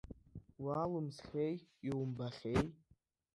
Уалымсхьеи, иумбахьеи?